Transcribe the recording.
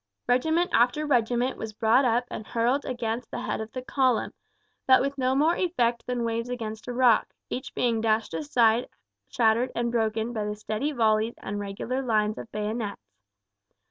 Regiment after regiment was brought up and hurled against the head of the column, but with no more effect than waves against a rock, each being dashed aside shattered and broken by the steady volleys and regular lines of bayonets.